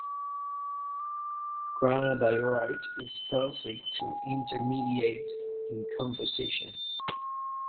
Granodiorite is felsic to intermediate in composition.